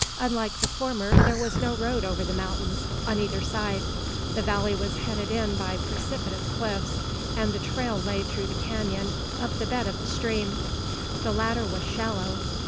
Unlike the former, there was no road over the mountains on either side. The valley was headed in by precipitous cliffs, and the trail lay through the canon, up the bed of the stream. The latter was shallow.